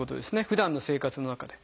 ふだんの生活の中で。